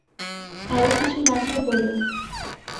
আরো কিছু লাগলে বলো।